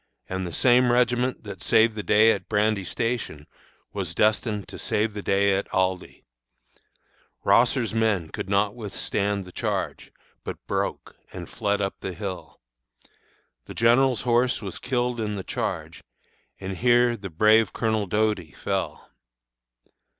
and the same regiment that saved the day at Brandy Station was destined to save the day at Aldie. Rosser's men could not withstand the charge, but broke and fled up the hill. The general's horse was killed in the charge, and here the brave Colonel Doughty fell.